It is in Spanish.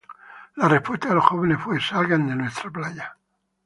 La respuesta de los jóvenes fue “Salgan de nuestra playa.